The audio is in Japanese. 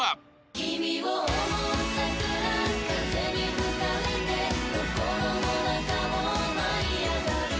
「君を想う桜風に吹かれて」「心の中を舞い上がる」